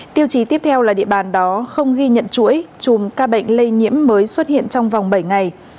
tiêu chí tiếp theo là địa bàn đó không ghi nhận chuỗi chùm ca bệnh lây nhiễm mới xuất hiện trong vòng bảy ngày